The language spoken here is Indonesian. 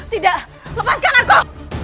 tidak lepaskan aku